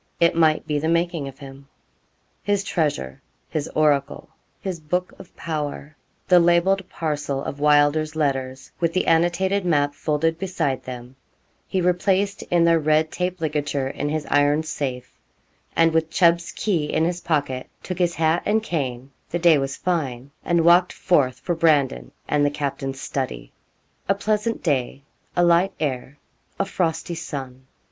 It might be the making of him. His treasure his oracle his book of power, the labelled parcel of Wylder's letters, with the annotated map folded beside them he replaced in their red taped ligature in his iron safe, and with Chubb's key in his pocket, took his hat and cane the day was fine and walked forth for Brandon and the captain's study. A pleasant day, a light air, a frosty sun.